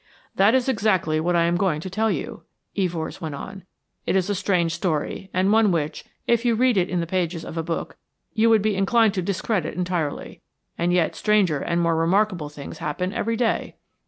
"That is exactly what I am going to tell you," Evors went on. "It is a strange story, and one which, if you read it in the pages of a book, you would be inclined to discredit entirely. And yet stranger and more remarkable things happen every day."